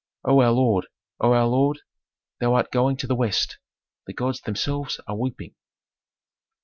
_ "O our lord, O our lord, thou art going to the West, the gods themselves are weeping."